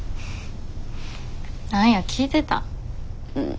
何や聞いてたん？